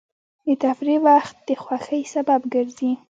د تفریح وخت د خوښۍ سبب ګرځي.